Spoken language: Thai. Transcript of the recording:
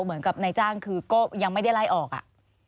เหมือนกับนายจ้างคือก็ยังไม่ได้ไล่ออกอ่ะ